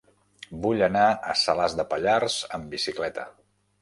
Vull anar a Salàs de Pallars amb bicicleta.